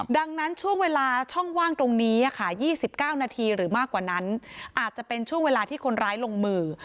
ดังนั้นช่วงเวลาช่องว่างตรงนี้ค่ะ๒๙นาทีหรือมากกว่านั้นอาจจะเป็นช่วงเวลาที่คนร้ายลงมือ